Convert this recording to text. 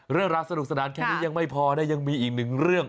เรื่องราวสนุกสนานแค่นี้ยังไม่พอนะยังมีอีกหนึ่งเรื่อง